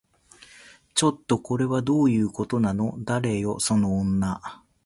ちょっと、これはどういうことなの？誰よその女